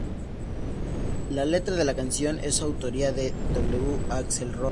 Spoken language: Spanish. La letra de la canción es autoría de W. Axl Rose.